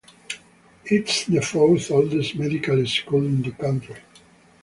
It is the fourth-oldest medical school in the country.